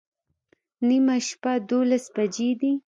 نیمه شپه دوولس بجې دي